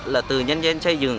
là từ nhân dân xây dựng